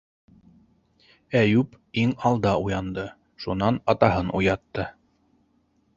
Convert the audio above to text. Әйүп иң алда уянды, шунан атаһын уятты.